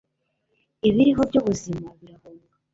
Ibiriho byubuzima birahunga